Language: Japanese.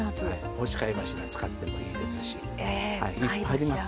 干し貝柱使ってもいいですしいっぱいあります。